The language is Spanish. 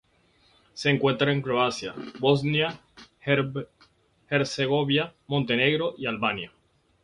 Se encuentra en Croacia, Bosnia y Herzegovina, Montenegro y Albania.